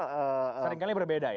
seringkali berbeda ya